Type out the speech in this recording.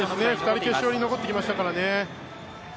２人決勝に残ってきましたからね。